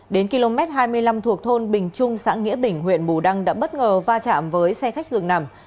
đến km hai mươi năm thuộc thôn bình trung xã nghĩa bình huyện bù đăng đã bất ngờ va chạm với xe khách dường nằm